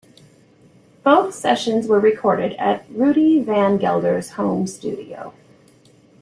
Both sessions were recorded at Rudy Van Gelder's home studio.